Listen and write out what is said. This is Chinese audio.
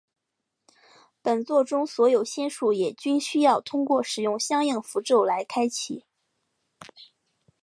本作中所有仙术也均需要通过使用相应符咒来开启。